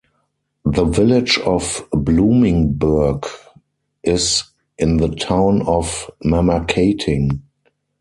The Village of Bloomingburg is in the Town of Mamakating.